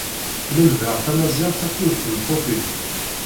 Lemdeɣ tamaziɣt akked tmeṭṭut-inu.